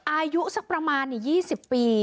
อายุสักประมาณ๒๐ปี